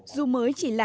dù mới chỉ là